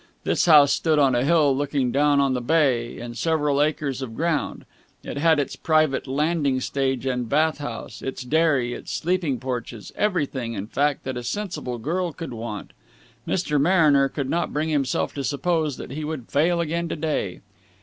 This house stood on a hill looking down on the bay, in several acres of ground. It had its private landing stage and bath house, its dairy, its sleeping porches everything, in fact, that a sensible girl could want. Mr. Mariner could not bring himself to suppose that he would fail again to day.